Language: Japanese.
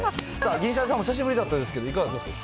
銀シャリさんもお久しぶりだったんですけど、いかがでしたか？